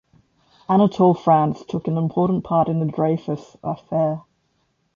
Anatole France took an important part in the Dreyfus affair.